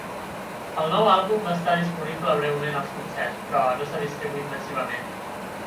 El nou àlbum va estar disponible breument als concerts, però no s'ha distribuït massivament.